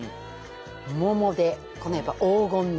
このやっぱ黄金の。